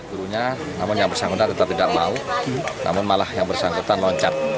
gurunya namun yang bersangkutan tetap tidak mau namun malah yang bersangkutan loncat